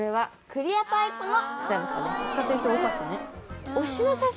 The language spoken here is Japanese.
使ってる人多かったね。